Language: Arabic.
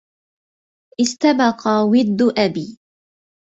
استبق ود أبي